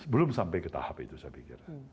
belum sampai ke tahap itu saya pikir